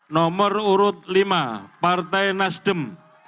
nomor urut lima partai nasdem